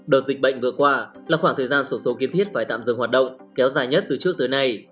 đợt dịch bệnh vừa qua là khoảng thời gian sổ số kiên thiết phải tạm dừng hoạt động kéo dài nhất từ trước tới nay